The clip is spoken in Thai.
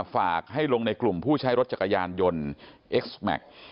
ฝากให้ลงในกลุ่มผู้ใช้รถจักรยานยนต์เอ็กซ์แม็กซ์